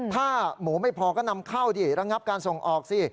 ถ้าหมูไม่พอก็นำเข้าดิระงับการส่งออกสิ